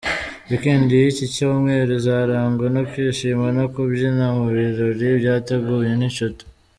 Weekend y’iki cyumweru, izarangwa no kwishima no kubyina mu birori byateguwe n’inshuti.